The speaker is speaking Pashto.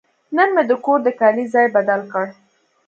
نن مې د کور د کالي ځای بدل کړ.